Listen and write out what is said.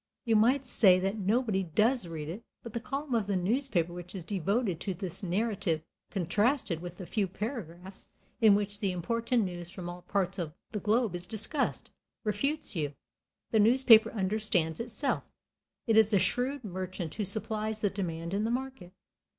You might say that nobody does read it, but the column of the newspaper which is devoted to this narrative, contrasted with the few paragraphs in which the important news from all parts of the globe is discussed, refutes you. The newspaper understands itself. It is a shrewd merchant who supplies the demand in the market.